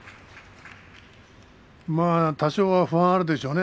多少の不安はあるでしょうね。